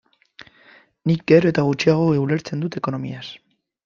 Nik gero eta gutxiago ulertzen dut ekonomiaz.